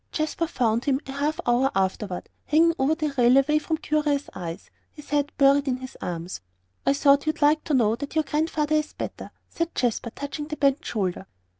Jasper found him a half hour afterward, hanging over the rail away from curious eyes, his head buried on his arms. "I thought you'd like to know that your Grandfather is better," said Jasper, touching the bent shoulder.